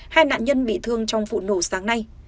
hai nạn nhân bị thương trong vụ nổ sáng nay